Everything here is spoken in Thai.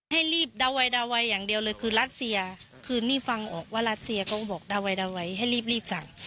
ให้รีบดาววัยดาวัยอย่างเดียวเลยคือรัสเซียคือนี่ฟังออกว่ารัสเซียเขาก็บอกดาวัยดาไวให้รีบสั่ง